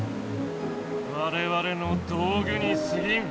われわれの道具にすぎん！